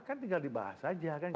kan tinggal dibahas saja kan gitu